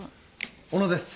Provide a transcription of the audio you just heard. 小野です